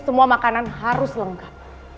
semua makanan harus lengkap